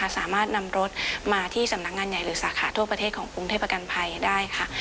สามารถนำรถมาที่สำนักงานใหญ่หรือสาขาทั่วประเทศของกรุงเทพประกันภัยได้ค่ะ